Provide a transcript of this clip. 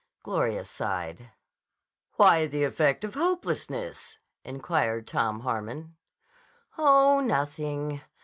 Gloria sighed. "Why the effect of hopelessness?" inquired Tom Harmon. "Oh, nothing.